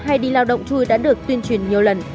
hay đi lao động chui đã được tuyên truyền nhiều lần